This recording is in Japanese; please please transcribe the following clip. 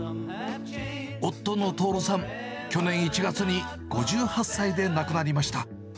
夫のとおるさん、去年１月に５８歳で亡くなりました。